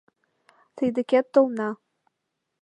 Тый декет толна.